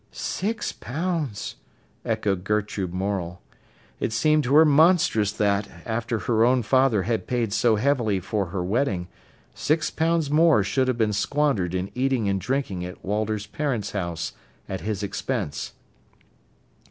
"Six pounds!" echoed Gertrude Morel. It seemed to her monstrous that, after her own father had paid so heavily for her wedding, six pounds more should have been squandered in eating and drinking at Walter's parents' house, at his expense.